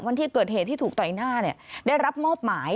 วันที่เกิดเหตุที่ถูกต่อยหน้าได้รับมอบหมาย